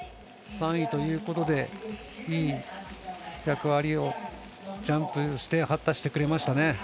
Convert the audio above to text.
３位ということでいい役割をジャンプして果たしてくれましたね。